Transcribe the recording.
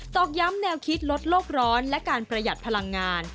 อกย้ำแนวคิดลดโลกร้อนและการประหยัดพลังงาน